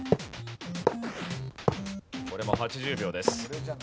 これも８０秒です。